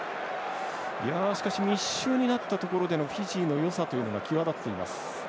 しかし、密集になったところでのフィジーのよさというのが際立っています。